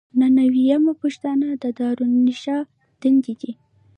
نهه نوي یمه پوښتنه د دارالانشا دندې دي.